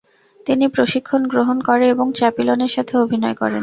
তিনি প্রশিক্ষণ গ্রহণ করেন এবং চ্যাপলিনের সাথে অভিনয় করেন।